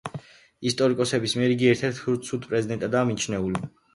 ისტორიკოსების მიერ იგი ერთ-ერთ ცუდ პრეზიდენტადაა მიჩნეული.